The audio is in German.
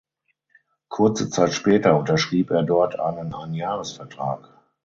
Kurze Zeit später unterschrieb er dort einen Einjahresvertrag.